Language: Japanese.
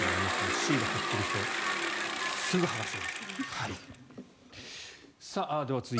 シールを貼っている人すぐ剥がしてください。